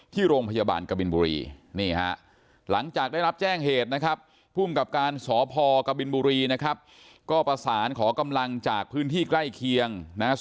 ที่โรงพยาบาลกะบินบุรีนี่ฮะ